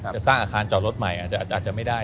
จะสร้างอาคารจอดรถใหม่อาจจะไม่ได้